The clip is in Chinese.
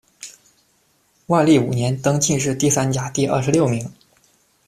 万历五年，登进士第三甲第二十六名。